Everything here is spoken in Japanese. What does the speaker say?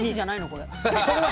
これ。